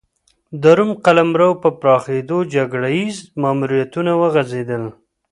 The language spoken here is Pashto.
د روم قلمرو په پراخېدو جګړه ییز ماموریتونه وغځېدل